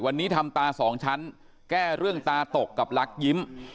วันนี้ทำตาสองชั้นแก้เรื่องตาตกกับลักยิ้ม